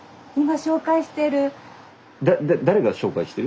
誰が紹介してる？